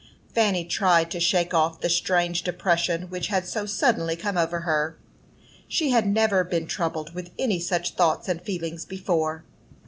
Fanny tried to shake off the strange depression which had so suddenly come over her. She had never been troubled with any such thoughts and feelings before.